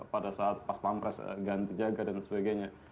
pada saat pas pampres ganti jaga dan sebagainya